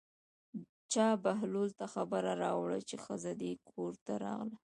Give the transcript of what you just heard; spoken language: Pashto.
چا بهلول ته خبر راوړ چې ښځه دې کور ته راغله.